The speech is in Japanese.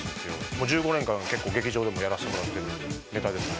もう１５年間結構劇場でもやらせてもらってるネタですね